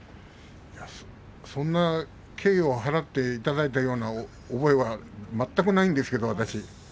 そんな敬意を払っていただいたような覚えが全くないですけど私。